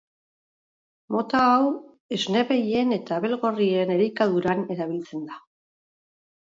Mota hau esne behien eta abelgorrien elikaduran erabiltzen da.